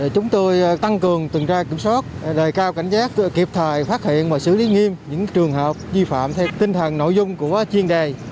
chúng tôi tăng cường tuần tra kiểm soát đề cao cảnh giác kịp thời phát hiện và xử lý nghiêm những trường hợp vi phạm theo tinh thần nội dung của chuyên đề